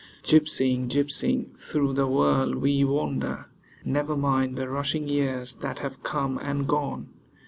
Gypsying, gypsying, through the world we wander: Never mind the rushing years, that have come and gone.